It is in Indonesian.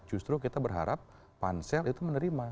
justru kita berharap pansel itu menerima